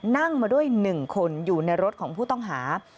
นั่งมาด้วย๑คนอยู่ในรถของผู้ต้องหา